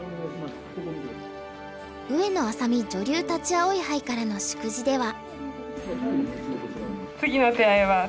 上野愛咲美女流立葵杯からの祝辞では。